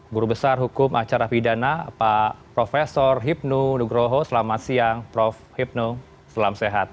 guru besar hukum acara pidana pak profesor hipnu nugroho selamat siang prof hipnu selam sehat